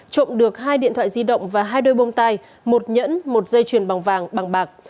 trộm được hai điện thoại di động và hai đôi bông tai một nhẫn một dây chuyền bằng vàng bằng bạc